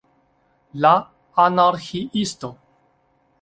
La Anarĥiisto!